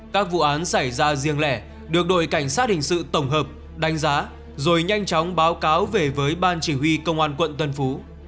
các vụ án xảy ra riêng lẻ được đội cảnh sát hình sự tổng hợp đánh giá rồi nhanh chóng báo cáo về với ban chỉ huy công an quận tân phú